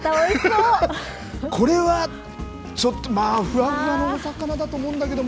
これは、ちょっと、まあ、ふわふわのお魚だと思うんだけど。